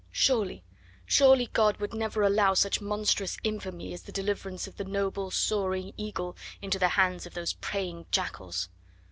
Surely, surely God would never allow such monstrous infamy as the deliverance of the noble soaring eagle into the hands of those preying jackals!